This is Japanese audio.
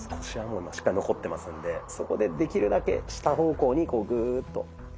腰はしっかり残ってますんでそこでできるだけ下方向にこうグーッと。